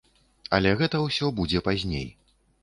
Але гэта ўсё будзе пазней.